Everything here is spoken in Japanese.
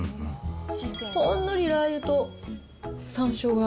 ほんのりラー油とさんしょうが。